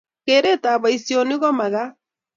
Keret ab boisonik komakat